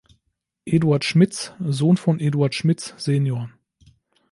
Eduard Schmitz, Sohn von Eduard Schmitz "sen.